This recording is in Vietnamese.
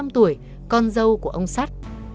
ba mươi năm tuổi con dâu của ông sát